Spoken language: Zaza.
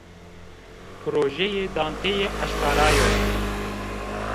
Projeyê Danteyî eşkera yo